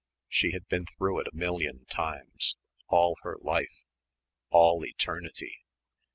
She had been through it a million times all her life all eternity.